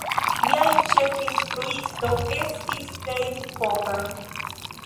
Liaj ĉefinstruisto estis David Popper.